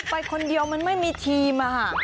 ไปคนเดียวมันไม่มีทีม